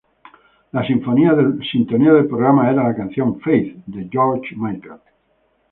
La sintonía del programa era la canción Faith, de George Michael.